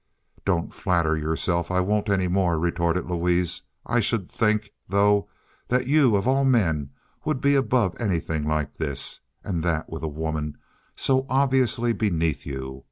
"Don't flatter yourself. I won't any more," retorted Louise. "I should think, though, that you, of all men, would be above anything like this—and that with a woman so obviously beneath you.